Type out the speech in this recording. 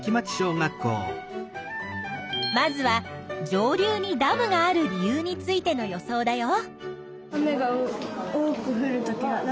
まずは上流にダムがある理由についての予想だよ。